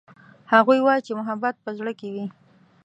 هغوی وایي چې محبت په زړه کې وي